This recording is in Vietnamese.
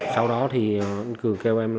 xong rồi giáp bỏ chạy ra ngoài